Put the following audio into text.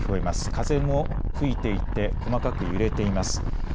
風も吹いていて細かく揺れています。